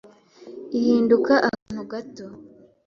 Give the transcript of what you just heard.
Ihinduka akantu gato